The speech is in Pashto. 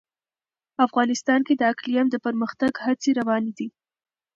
افغانستان کې د اقلیم د پرمختګ هڅې روانې دي.